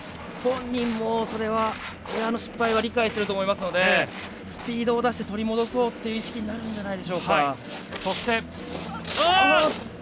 本人もエアの失敗は理解してると思いますのでスピードを出して取り戻そうっていう意識になるんじゃないでしょうか。